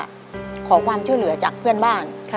ขอความช่วยเหลือจากเพื่อนบ้าน